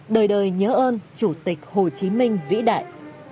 đời đời nhớ ơn chủ tịch hồ chí minh vĩ đại